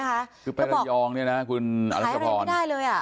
ก็บอกหายอะไรไม่ได้เลยอะคุณไประยองนี่นะคุณอรัชภพร